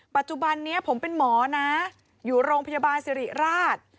ปัจจุบันนี้ผมเป็นหมอนะอยู่โรงพยาบาลสิริราช